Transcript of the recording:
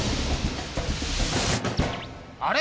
あれ？